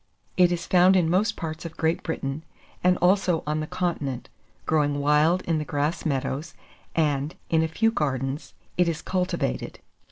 It is found in most parts of Great Britain, and also on the continent, growing wild in the grass meadows, and, in a few gardens, it is cultivated.